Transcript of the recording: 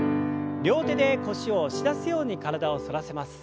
両手で腰を押し出すように体を反らせます。